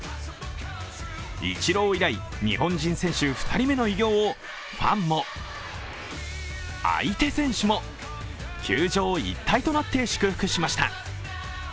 イチロー以来、日本人選手２人目の偉業をファンも、相手選手も球場一体となって祝福しました。